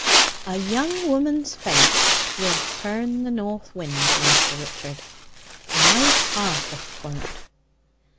"A young woman's face will turn the north wind, Master Richard: my heart if 'twon't."